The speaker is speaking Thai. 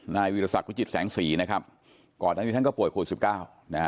นายวิทยาศักดิ์วิจิตรแสงสีก่อนทั้งนี้ท่านก็ป่วยโคลด๑๙